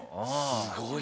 すごい。